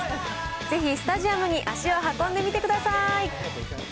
ぜひスタジアムに足を運んでみてください。